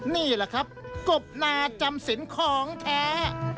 นี่แหละครับกบนาจำสินของแท้